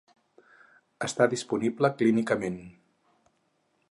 Està disponible clínicament.